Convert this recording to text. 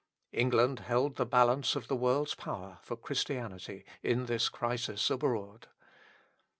England held the balance of the world's power for Christianity in this crisis abroad.